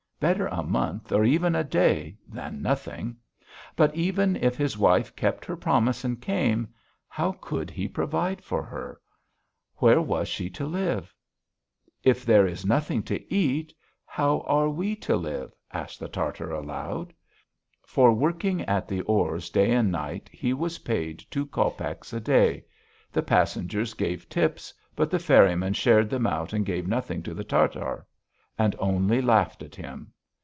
Better a month or even a day, than nothing. But even if his wife kept her promise and came, how could he provide for her? Where was she to live? "If there is nothing to eat; how are we to live?" asked the Tartar aloud. For working at the oars day and night he was paid two copecks a day; the passengers gave tips, but the ferrymen shared them out and gave nothing to the Tartar, and only laughed at him.